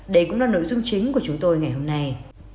đây cũng là nội dung chính của chúng tôi ngày hôm nay